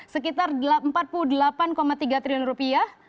sekitar empat puluh delapan tiga triliun rupiah